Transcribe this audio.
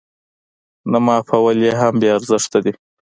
نه معافول يې هم بې ارزښته دي.